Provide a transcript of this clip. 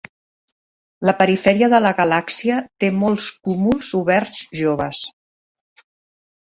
La perifèria de la galàxia té molts cúmuls oberts joves.